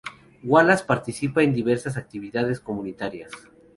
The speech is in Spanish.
Wallace participa en diversas actividades comunitarias.